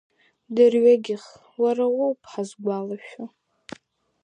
Дырҩегьых уара уоуп ҳаазгәалашәо…